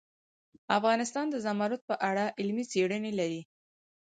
افغانستان د زمرد په اړه علمي څېړنې لري.